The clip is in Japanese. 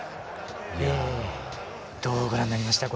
どうご覧になりました？